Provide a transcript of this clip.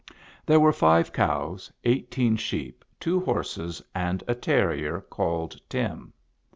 There were five cows, eighteen sheep, two horses, and a terrier called Tim.